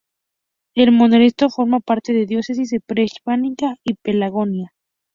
El monasterio forma parte de la diócesis de Prespa y Pelagonia.